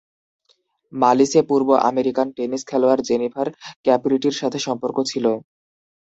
মালিসে পূর্বে American tennis খেলোয়াড় Jennifer ক্যাপরিটির সাথে সম্পর্ক ছিল।